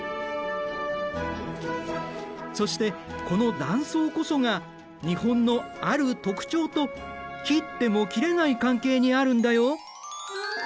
そしてこの断層こそが日本のある特徴と切っても切れない関係にあるんだよ。